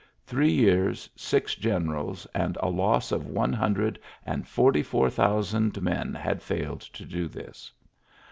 Three year^ six generals, and a loss of one hundred and forty four thousand men had £Edled to do this.